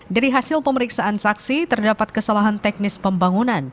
dari hasil pemeriksaan saksi terdapat kesalahan teknis pembangunan